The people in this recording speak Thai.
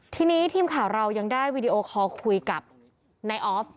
ทีนี้ทีมข่าวเรายังได้วีดีโอคอลคุยกับนายออฟ